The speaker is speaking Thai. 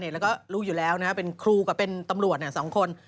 แล้วก็รู้อยู่แล้วนะครับเป็นครูกับเป็นตำรวจ๒คน